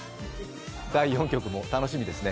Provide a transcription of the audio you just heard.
第４局も楽しみですね。